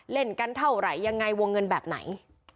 เล่นกันเท่าไหร่ยังไงวงเงินแบบไหน